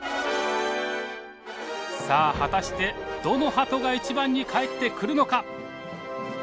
さあ果たしてどのハトが一番に帰ってくるのか？